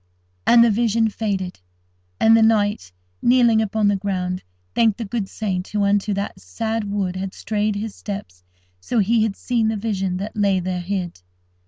And the vision faded, and the knight, kneeling upon the ground, thanked the good saint who into that sad wood had strayed his steps, so he had seen the vision that lay there hid.